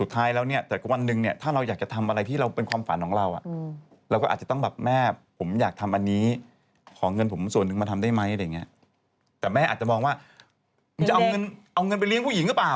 แต่แม่อาจจะมองว่ามันจะเอาเงินเอาเงินไปเลี้ยงผู้หญิงก็เปล่า